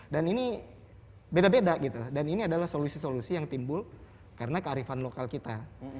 dan ini beda beda dan ini adalah solusi solusi yang timbul karena kearifan lokal kita